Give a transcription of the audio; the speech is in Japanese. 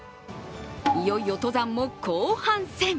いよいよ登山も後半戦。